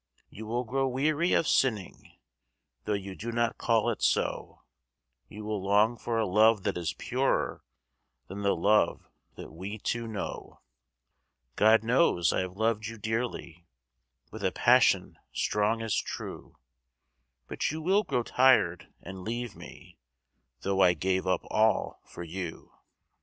You will grow weary of sinning (Though you do not call it so), You will long for a love that is purer Than the love that we two know. God knows I have loved you dearly, With a passion strong as true; But you will grow tired and leave me, Though I gave up all for you.